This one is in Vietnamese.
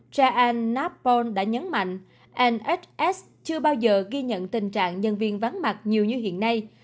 jeanne nappon đã nhấn mạnh nhs chưa bao giờ ghi nhận tình trạng nhân viên vắng mặt nhiều như hiện nay